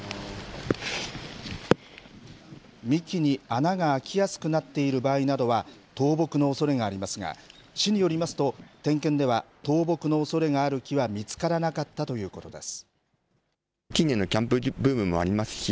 幹に穴が開きやすくなっている場合などは、倒木のおそれがありますが、市によりますと、点検では倒木のおそれがある木は見つからなかったということです。